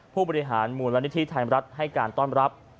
ผู้บริหารมูลนิธิไทยรัฐให้การต้อนรับ